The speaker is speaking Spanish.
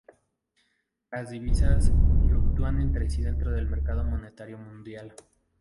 Las divisas fluctúan entre sí dentro del mercado monetario mundial.